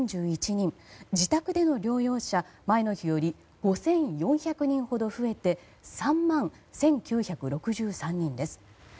自宅での療養者は前の日より５４００人ほど増えて３万１９６３人です。